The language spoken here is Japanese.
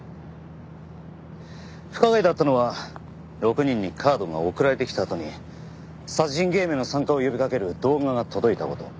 不可解だったのは６人にカードが送られてきたあとに殺人ゲームへの参加を呼びかける動画が届いた事。